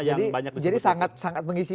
yang banyak jadi sangat mengisi